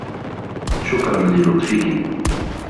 شكرا للطفكِ.